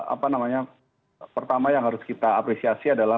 apa namanya pertama yang harus kita apresiasi adalah